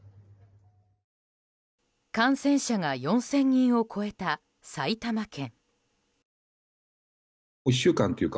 感染者が４０００人を超えた埼玉県。